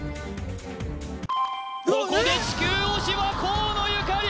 ここで地球押しは河野ゆかり